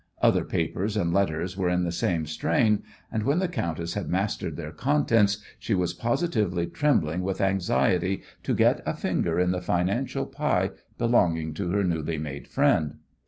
Other papers and letters were in the same strain, and when the countess had mastered their contents she was positively trembling with anxiety to get a finger in the financial pie belonging to her newly made friend.